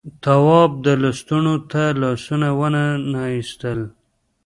تواب لستونو ته لاسونه وننه ایستل.